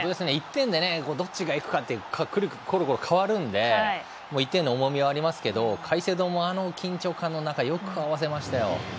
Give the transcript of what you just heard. １点でどっちが行くかころころ変わるので１点の重みはありますけどカイセドもあの緊張感の中よく合わせましたよ。